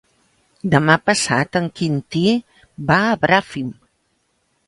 Demà passat en Quintí va a Bràfim.